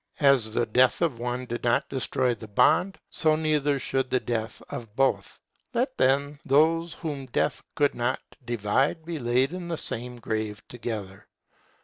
As the death of one did not destroy the bond, so neither should the death of both. Let, then, those whom death could not divide be laid in the same grave together.